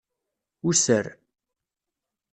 User.